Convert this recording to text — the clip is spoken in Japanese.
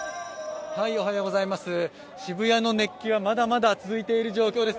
渋谷の熱気はまだまだ続いている状況です。